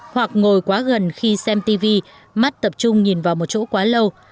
hoặc ngồi quá gần khi xem tv mắt tập trung nhìn vào một chỗ quá lâu